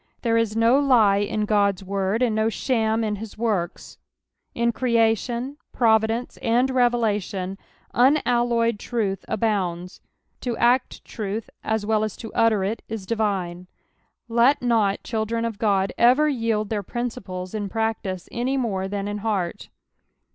There is no lie In God's word, and no shsm in his works ; in creation, providence, and revelation, unalloyed truth abounds. To act truth as wel! as lo utter it is divine. Let not children of God ever yield their principles in practice any more than in heart.